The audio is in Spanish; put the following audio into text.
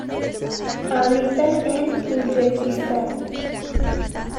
Habita en Uzbekistán.